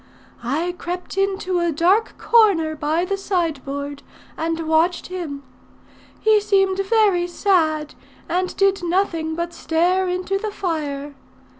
I crept into a dark corner by the sideboard, and watched him. He seemed very sad, and did nothing but stare into the fire.